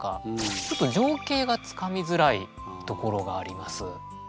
ちょっと情景がつかみづらいところがあります。